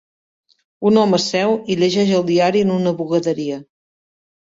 Un home seu i llegeix el diari en una bugaderia.